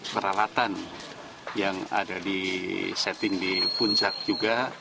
peralatan yang ada di setting di puncak juga